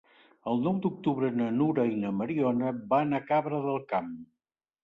El nou d'octubre na Nura i na Mariona van a Cabra del Camp.